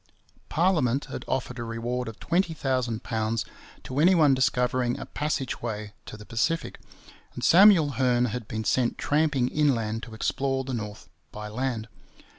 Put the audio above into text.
Parliament had offered a reward of £20,000 to any one discovering a passage way to the Pacific, and Samuel Hearne had been sent tramping inland to explore the north by land.